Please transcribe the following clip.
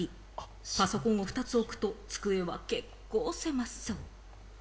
パソコンを２つ置くと、机は結構狭そう。